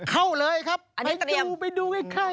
เข้าเลยครับไปดูไปดูกันค่ะ